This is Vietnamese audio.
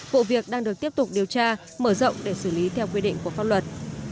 bộ việc đang được tiếp tục điều tra mở rộng để xử lý theo quy định của pháp luật